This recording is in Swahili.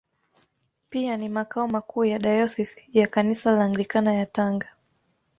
Pia ni makao makuu ya Dayosisi ya Kanisa la Anglikana ya Tanga.